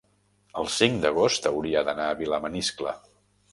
el cinc d'agost hauria d'anar a Vilamaniscle.